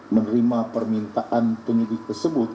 menerima permintaan penyidik tersebut